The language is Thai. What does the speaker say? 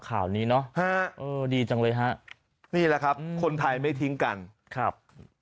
ข่าวนี้เนอะฮะเออดีจังเลยฮะนี่แหละครับคนไทยไม่ทิ้งกันครับ